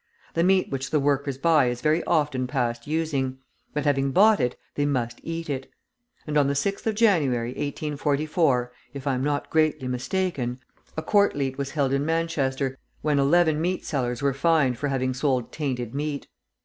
The meat which the workers buy is very often past using; but having bought it, they must eat it. On the 6th of January, 1844 (if I am not greatly mistaken), a court leet was held in Manchester, when eleven meat sellers were fined for having sold tainted meat.